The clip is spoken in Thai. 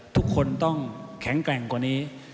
ทุกคนต้องแข็งแกร่งกว่านี้